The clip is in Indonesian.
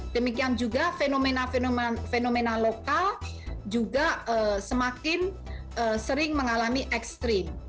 demikian juga fenomena fenomena lokal juga semakin sering mengalami ekstrim